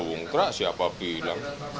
mendongkrak siapa bilang